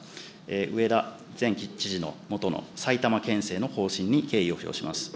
上田前知事のもとの埼玉県政の方針に敬意を表します。